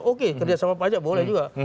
oke kerja sama pajak boleh juga